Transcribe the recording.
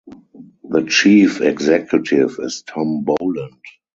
The Chief Executive is Tom Boland.